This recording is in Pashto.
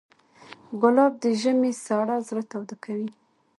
ګلاب د ژمي سړه زړه تاوده کوي.